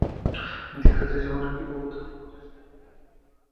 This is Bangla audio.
দীক্ষা যে জীবনের কী পবিত্র মুহূর্ত সে কি আজ আমাকে বলতে হবে!